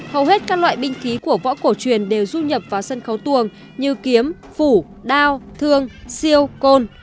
hầu hết các loại binh khí của võ cổ truyền đều du nhập vào sân khấu tuồng như kiếm phủ đao thương siêu côn